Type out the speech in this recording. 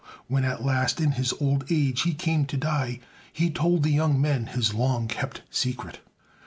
When at last in his old age he came to die, he told the young men his long kept secret.